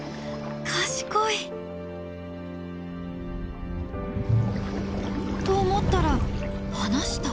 賢い！と思ったら放した。